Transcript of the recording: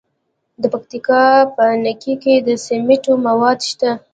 د پکتیکا په نکې کې د سمنټو مواد شته.